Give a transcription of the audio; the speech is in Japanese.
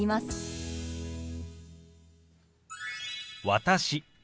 「私」